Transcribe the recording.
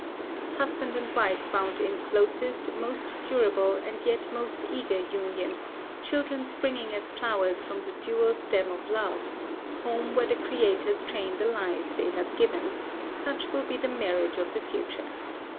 Husband and wife bound in closest, most durable and yet most eager union, children springing as flowers from the dual stem of love, home where the creators train the lives they have given such will be the marriage of the future.